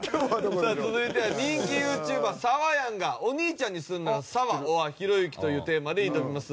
さあ続いては人気ユーチューバーサワヤンが「お兄ちゃんにするならサワｏｒひろゆき」というテーマで挑みます。